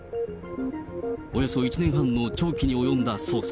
およそ１年半の長期に及んだ捜査。